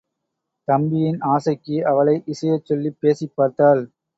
தம்பியின் ஆசைக்கு அவளை இசையச் சொல்லிப் பேசிப் பார்த்தாள்.